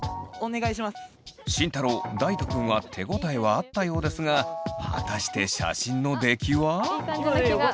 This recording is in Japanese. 慎太郎大翔くんは手応えはあったようですが果たして写真の出来は？いい感じな気が。